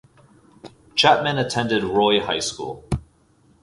Chapman attended Roy High School.